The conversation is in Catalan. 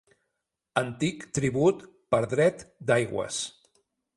Antic tribut per dret d'aigües.